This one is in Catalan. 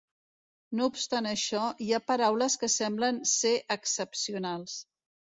No obstant això, hi ha paraules que semblen ser excepcionals.